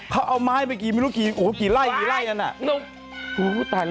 เขาเอาไม้ไปกี่ไม่รู้กี่ร้ายอยู่นั่นน่ะ